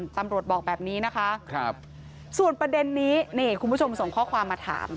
ตำรวจบอกแบบนี้นะคะส่วนประเด็นนี้นี่คุณผู้ชมส่งข้อความมาถาม